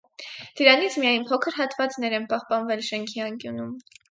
Դրանից միայն փոքր հատվածներ են պահպանվել շենքի անկյունում։